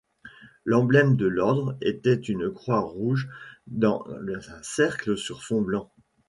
L'emblème de l'ordre était une croix rouge dans un cercle sur fond blanc.